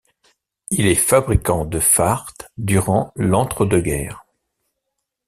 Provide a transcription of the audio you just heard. Il est fabriquant de fart durant l'entre-deux guerres.